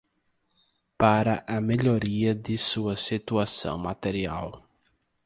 para a melhoria de sua situação material